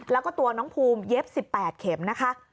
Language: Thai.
แล้วก็ตัวน้องภูมิเย็บ๑๘เข็มนะคะ